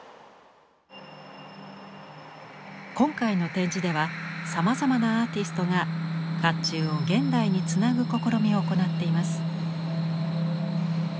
今回の展示ではさまざまなアーティストが甲冑を現代につなぐ試みを行っています。